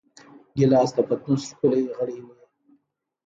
ګیلاس د پتنوس ښکلی غړی وي.